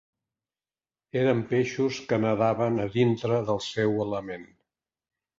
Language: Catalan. Eren peixos que nadaven a dintre del seu element.